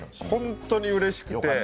本当にうれしくて。